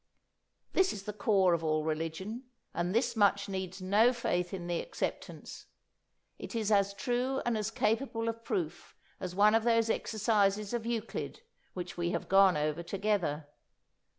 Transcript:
'"This is the core of all religion, and this much needs no faith in the acceptance. It is as true and as capable of proof as one of those exercises of Euclid which we have gone over together.